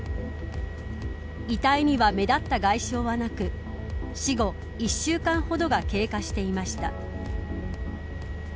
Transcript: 遺体には目立った外傷はなく死後、１週間ほどが経過していました。